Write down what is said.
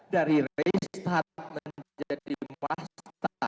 dari restart menjadi muas